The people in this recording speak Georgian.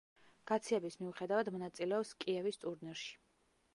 გაციების მიუხედავად მონაწილეობს კიევის ტურნირში.